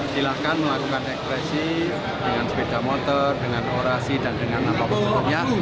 silahkan melakukan ekspresi dengan sepeda motor dengan orasi dan dengan apapun bentuknya